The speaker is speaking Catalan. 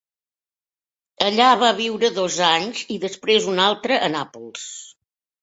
Allà va viure dos anys i després un altre a Nàpols.